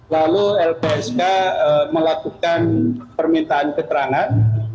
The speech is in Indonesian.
lalu lpsk melakukan permintaan keterangan